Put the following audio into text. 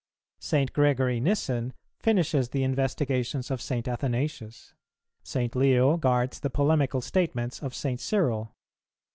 St. Gregory Nyssen finishes the investigations of St. Athanasius; St. Leo guards the polemical statements of St. Cyril.